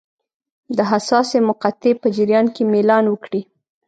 د حساسې مقطعې په جریان کې میلان وکړي.